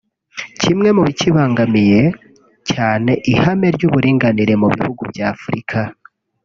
Kimwe mu bikibangamiye cyane ihame ry’uburinganire mu bihugu bya Africa